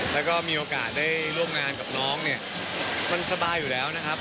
แล้วก็มีโอกาสได้ร่วมงานกับน้องเนี่ยมันสบายอยู่แล้วนะครับ